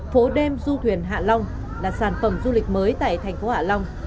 phố đêm du thuyền hạ long là sản phẩm du lịch mới tại thành phố hạ long